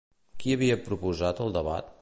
Qui havia proposat el debat?